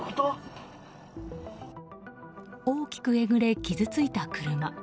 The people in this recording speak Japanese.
大きくえぐれ、傷ついた車。